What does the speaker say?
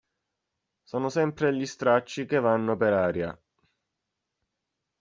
Sono sempre gli stracci che vanno per aria.